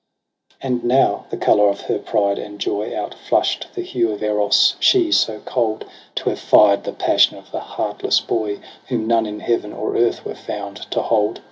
And now the colour of her pride and joy Outflush'd the hue of Eros ; she, so cold. To have fired the passion of the heartless boy. Whom none in heaven or earth were found to hold!